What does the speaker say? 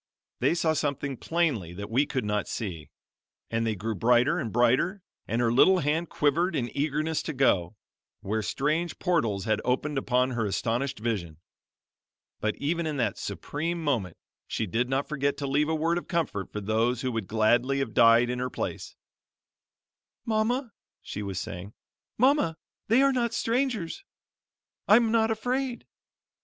They saw something plainly that we could not see; and they grew brighter and brighter, and her little hand quivered in eagerness to go, where strange portals had opened upon her astonished vision. But even in that supreme moment she did not forget to leave a word of comfort for those who would gladly have died in her place: "Mama," she was saying, "Mama, they are not strangers. I'm not afraid."